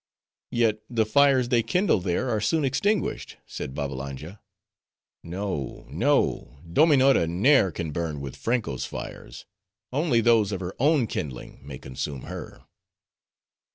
"Yet the fires they kindle there are soon extinguished," said Babbalanja. "No, no; Dominora ne'er can burn with Franko's fires; only those of her own kindling may consume her."